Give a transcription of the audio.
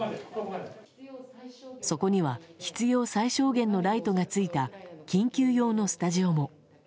そこには必要最小限のライトがついた緊急用のスタジオも。